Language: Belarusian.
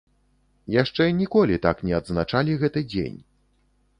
Яшчэ ніколі так не адзначалі гэты дзень.